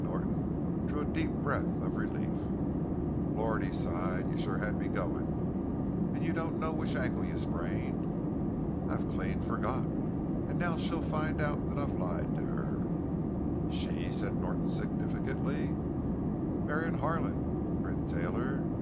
Norton drew a deep breath of relief. "Lord!" he sighed, "you sure had me going. And you don't know which ankle you sprained?" "I've clean forgot. And now she'll find out that I've lied to her." "She?" said Norton significantly. "Marion Harlan," grinned Taylor.